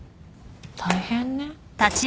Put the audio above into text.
大変ね。